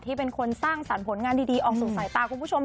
เป็นคนสร้างสรรค์ผลงานดีออกสู่สายตาคุณผู้ชม